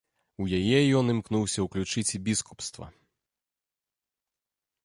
У яе ён імкнуўся ўключыць і біскупства.